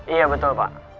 iya betul pak